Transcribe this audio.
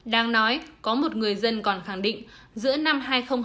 đang nói có một người dân còn khẳng định giữa năm hai nghìn hai mươi